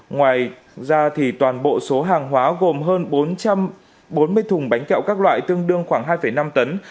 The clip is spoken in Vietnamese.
ngoài ra toàn bộ số hàng hóa gồm hơn bốn trăm bốn mươi thùng bánh kẹo các loại tương đương khoảng hai năm tấn